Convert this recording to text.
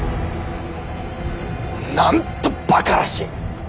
なんとバカらしい！